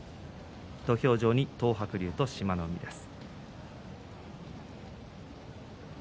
土俵上は東白龍と志摩ノ海です。